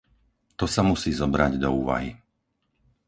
To sa musí zobrať do úvahy.